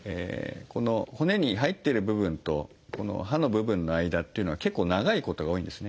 この骨に入っている部分とこの歯の部分の間っていうのは結構長いことが多いんですね。